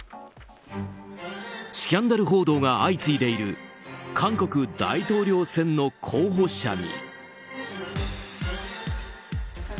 スキャンダル報道が相次いでいる韓国大統領選の候補者に。